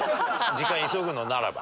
時間急ぐのならば。